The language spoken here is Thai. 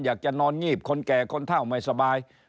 อยากจะนอนงีบคนแก่คนเท่าไม่สบาย